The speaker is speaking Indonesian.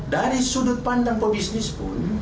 dari sudut pandang pebisnis pun